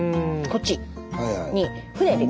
こっちに。